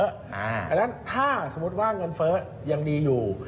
อันนั้นถ้าสมมติว่าเงินเฟ้อยังดีอยู่